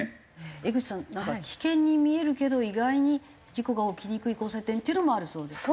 江口さんなんか危険に見えるけど意外に事故が起きにくい交差点っていうのもあるそうですね。